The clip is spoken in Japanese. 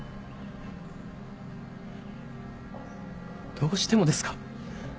どうしてもですか？